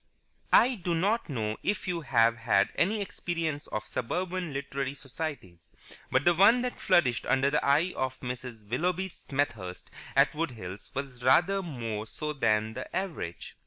I do not know if you have had any experience of suburban literary societies, but the one that flourished under the eye of Mrs. Willoughby Smethurst at Wood Hills was rather more so than the average.